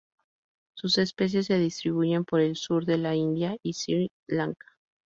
Sus especies se distribuyen por el sur de la India y Sri Lanka.